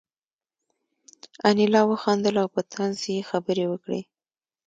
انیلا وخندل او په طنز یې خبرې وکړې